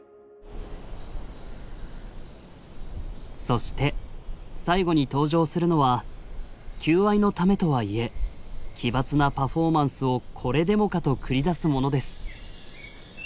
そして最後に登場するのは求愛のためとはいえ奇抜なパフォーマンスをこれでもかと繰り出すものです。